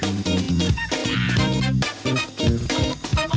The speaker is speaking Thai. ข้าวใส่ไทยสอบกว่าใครใหม่กว่าเดิมค่อยเมื่อล่า